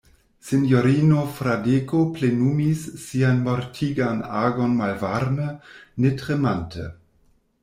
Sinjorino Fradeko plenumis sian mortigan agon malvarme, ne tremante.